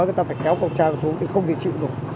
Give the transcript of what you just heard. chúng ta phải kéo cộng trang xuống thì không thể chịu được